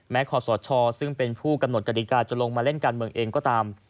ขอสชซึ่งเป็นผู้กำหนดกฎิกาจะลงมาเล่นการเมืองเองก็ตาม